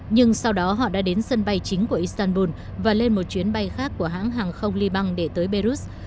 nhưng sau đó họ đã đến sân bay chính của istanbul và lên một chuyến bay khác của hãng hàng không libang để tới belarus